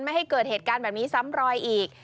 ไม่ให้เกิดเหตุการณ์แบบนี้ซ้ำรอยอีก